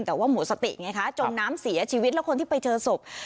แต่ว่าหมดสติไงคะจมน้ำเสียชีวิตแล้วคนที่ไปเจอศพ